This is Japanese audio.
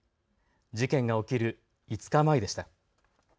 事件が起きる５日前でした。